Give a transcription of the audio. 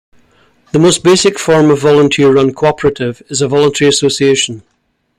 The most basic form of volunteer-run cooperative is a voluntary association.